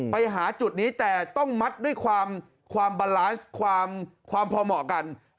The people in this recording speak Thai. ไปหาจุดนี้แต่ต้องมัดด้วยความบาลาซความพอเหมาะกัน